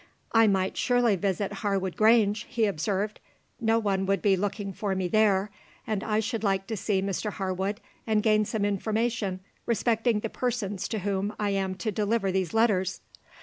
"I might surely visit Harwood Grange?" he observed; "no one would be looking for me there, and I should like to see Mr Harwood and gain some information respecting the persons to whom I am to deliver these letters."